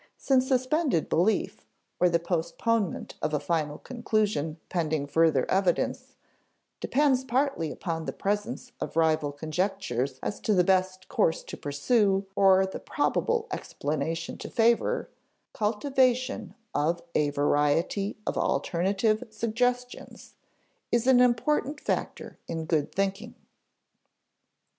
Since suspended belief, or the postponement of a final conclusion pending further evidence, depends partly upon the presence of rival conjectures as to the best course to pursue or the probable explanation to favor, cultivation of a variety of alternative suggestions is an important factor in good thinking.